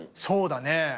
そうだね。